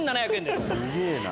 すげぇな。